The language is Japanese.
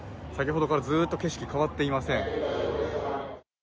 先ほどからずーっと景色変わっていません。